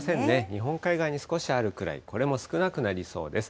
日本海側に少しあるくらい、これも少なくなりそうです。